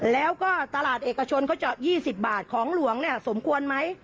แล้วก็ตลาดเอกชนเขาเจาะ๒๐บาทของหลวงเนี่ยสมควรไหม